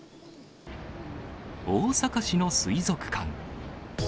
大阪市の水族館。